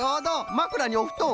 まくらにおふとん。